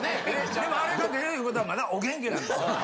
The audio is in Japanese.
でもあれが出るいうことはまだお元気なんですよ。